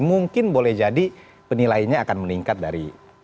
mungkin boleh jadi penilainya akan meningkat dari